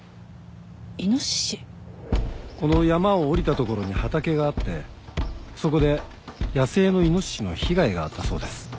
この山を下りた所に畑があってそこで野生のイノシシの被害があったそうです。